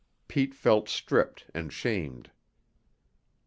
Pete felt stripped and shamed.